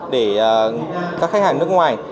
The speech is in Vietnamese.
để các khách hàng nước ngoài